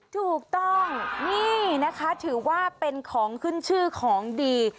ถูกต้องนี่นะคะถือว่าเป็นของขึ้นชื่อของดี